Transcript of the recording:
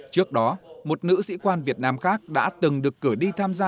trước đó một nữ sĩ quan việt nam khác đã từng được cử đi tham gia